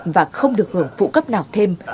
và không được hưởng phụ cấp nào thêm